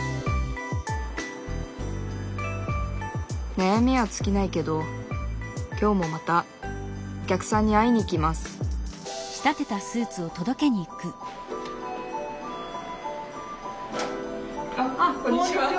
なやみはつきないけど今日もまたお客さんに会いに行きますあっこんにちは！